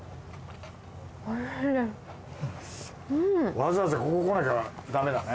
わざわざここ来なきゃダメだね。